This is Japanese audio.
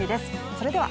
それでは。